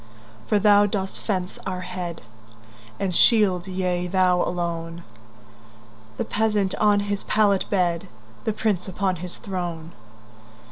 For thou dost fence our head, And shield—yea, thou alone—The peasant on his pallet bed, The prince upon his throne.